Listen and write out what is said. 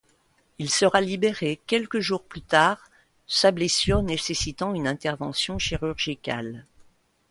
Il sera libéré quelques jours plus tard, sa blessure nécessitant une intervention chirurgicale.